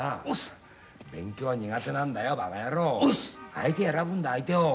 相手選ぶんだ相手を！